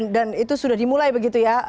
dan itu sudah dimulai begitu ya